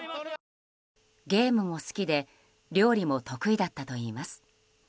ゲームも好きで料理も得意だったといいます。